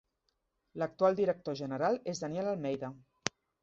L'actual director general és Daniel Almeida.